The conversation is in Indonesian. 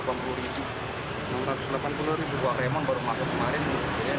buah remon baru masuk kemarin